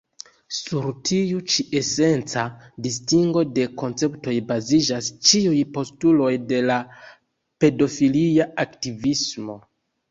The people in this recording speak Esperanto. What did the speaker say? Sur tiu ĉi esenca distingo de konceptoj baziĝas ĉiuj postuloj de la pedofilia aktivismo.